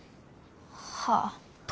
はあ。